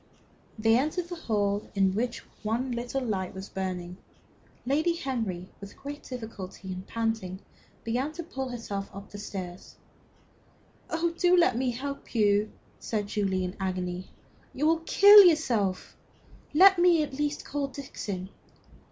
They entered the hall in which one little light was burning. Lady Henry, with great difficulty, and panting, began to pull herself up the stairs. "Oh, do let me help you!" said Julie, in an agony. "You will kill yourself. Let me at least call Dixon."